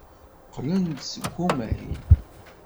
Qqlen-d seg umahil.